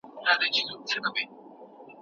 خاوند او ميرمن تر هر چا زيات قوي دوستان دي.